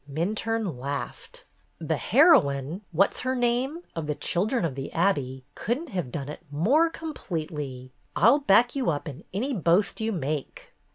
Minturne laughed. "The heroine — what 's her name ?— of ' The Children of the Abbey ' could n't have done it more completely. I 'll back you up in any boast you make."